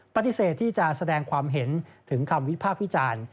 ปฏิเสธที่จะแสดงความเห็นถึงคำวิพากษ์วิจารณ์